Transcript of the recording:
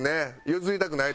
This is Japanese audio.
譲りたくないと。